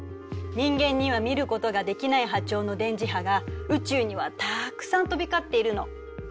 人間には見ることができない波長の電磁波が宇宙にはたくさん飛び交っているの。